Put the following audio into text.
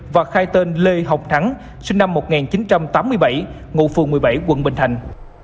và khai tên lê hồng thắng sinh năm một nghìn chín trăm tám mươi bảy ngụ phường một mươi bảy quận bình thành